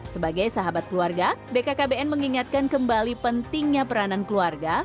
sebagai sahabat keluarga bkkbn mengingatkan kembali pentingnya peranan keluarga